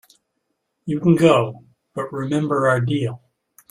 You can go, but remember our deal.